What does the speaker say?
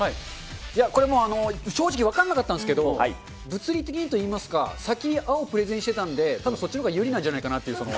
これもう、正直、分かんなかったんですけど、物理的にといいますか、先に青プレゼンしてたんで、たぶんそっちのほうが有利なんじゃないかなっていう。